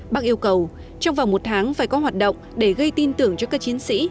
bác yêu cầu trong vòng một tháng phải có hoạt động để gây tin tưởng cho các chiến sĩ